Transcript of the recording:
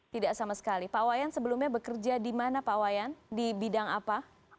tidak sama sekali pak wayan sebelumnya bekerja di mana pak wayan di bidang apa